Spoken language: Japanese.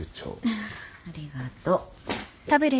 フッありがとう。